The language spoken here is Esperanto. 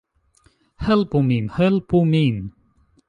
Helpu min! Helpu min!